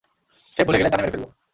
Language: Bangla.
স্টেপ ভুলে গেলে, জানে মেরে ফেলব।